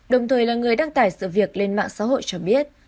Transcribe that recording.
đồng thời là người đăng tải sự việc lên mạng xã hội cho biết